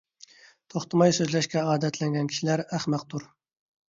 توختىماي سۆزلەشكە ئادەتلەنگەن كىشىلەر ئەخمەقتۇر.